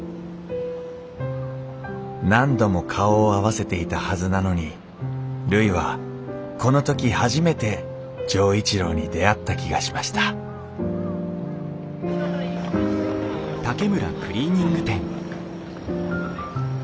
何度も顔を合わせていたはずなのにるいはこの時初めて錠一郎に出会った気がしましたあっ！